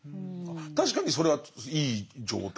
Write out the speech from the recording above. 確かにそれはいい状態。